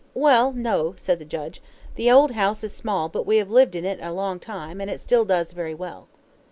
"Well, no," said the judge. "The old house is small, but we have lived in it a long time, and it still does very well."